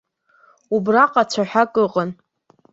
Убраҟа цәаҳәак ыҟан.